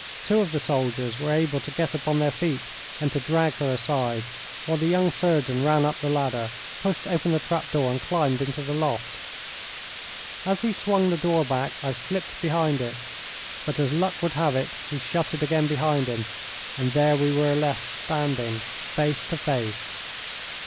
Two of the soldiers were able to get upon their feet and to drag her aside, while the young surgeon ran up the ladder, pushed open the trap door, and climbed into the loft. As he swung the door back I slipped behind it, but as luck would have it he shut it again behind him, and there we were left standing face to face.